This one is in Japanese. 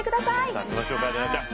さあ開けましょうか怜奈ちゃん。